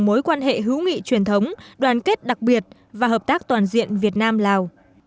mối quan hệ hữu nghị truyền thống đoàn kết đặc biệt và hợp tác toàn diện việt nam lào